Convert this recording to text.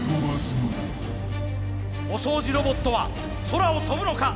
お掃除ロボットは空を跳ぶのか。